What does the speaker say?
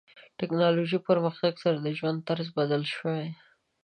ټکنالوژي پرمختګ سره د ژوند طرز بدل شوی.